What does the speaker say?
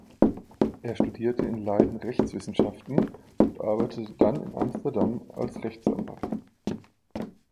Er studierte in Leiden Rechtswissenschaften und arbeitete dann in Amsterdam als Rechtsanwalt.